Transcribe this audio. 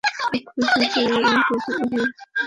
খুব খুশি যে আমার গোঁফ উড়িয়ে দেয়নি।